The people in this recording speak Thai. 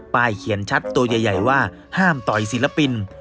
เขียนชัดตัวใหญ่ว่าห้ามต่อยศิลปิน